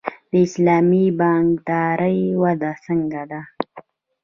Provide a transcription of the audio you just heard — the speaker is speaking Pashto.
د اسلامي بانکدارۍ وده څنګه ده؟